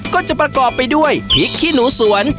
ก็จะประกอบไปด้วยพริกขี้หนูสวน